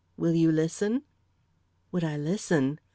Will you listen?" Would I listen?